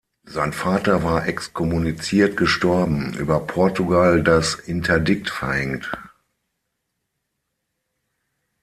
Sein Vater war exkommuniziert gestorben, über Portugal das Interdikt verhängt.